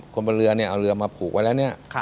บนเรือเนี่ยเอาเรือมาผูกไว้แล้วเนี่ย